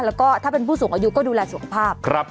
แล้วก็ถ้าเป็นผู้สูงอายุก็ดูแลสุขภาพ